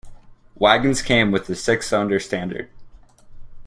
Wagons came with a six-cylinder standard.